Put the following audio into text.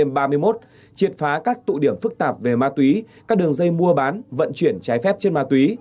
siêu game ba mươi một triệt phá các tụ điểm phức tạp về ma túy các đường dây mua bán vận chuyển trái phép trên ma túy